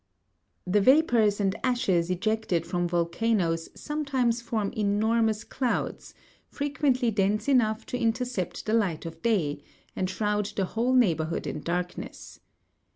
The vapours and ashes ejected from volcanoes sometimes form enormous clouds, frequently dense enough to intercept the light of day, and shroud the whole neighbourhood in darkness.